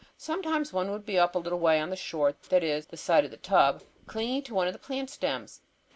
Sometimes one would be up a little way on the shore, that is, the side of the tub, or clinging to one of the plant stems.